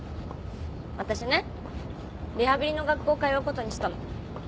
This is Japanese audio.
わたしねリハビリの学校通うことにしたの。